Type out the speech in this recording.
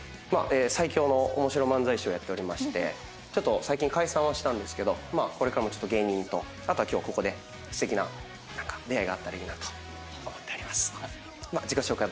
最強の面白漫才師をやっておりましてちょっと最近解散はしたんですけどこれからも芸人とあとは今日ここで素敵な出会いがあったらいいなと思っております。